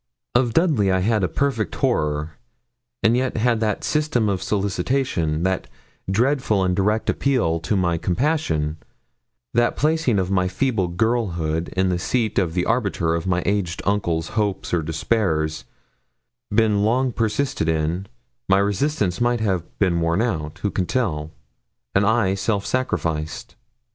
Of Dudley I had a perfect horror; and yet had that system of solicitation, that dreadful and direct appeal to my compassion, that placing of my feeble girlhood in the seat of the arbiter of my aged uncle's hope or despair, been long persisted in, my resistance might have been worn out who can tell? and I self sacrificed!